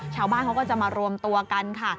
ชาวบ้านเขาก็จะมารวมตัวกันค่ะ